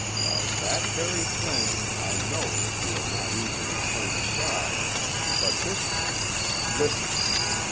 "Of that very thing. I know that you are not easily turned aside, but this time—listen.